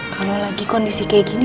kalau lagi kondisi kayak gini